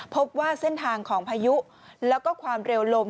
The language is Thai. พบว่าเส้นทางของพายุแล้วก็ความเร็วลม